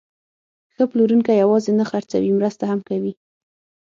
ښه پلورونکی یوازې نه خرڅوي، مرسته هم کوي.